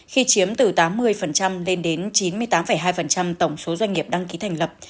khi chiếm từ tám mươi lên đến chín mươi tám hai tổng số doanh nghiệp đăng ký thành lập